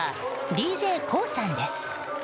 ＤＪＫＯＯさんです。